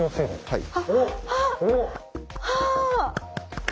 はい。